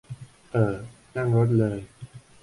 เอ่อ นั่งรถเลย